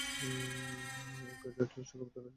এক গাছে চল্লিশটা কবুতর বসে আছে।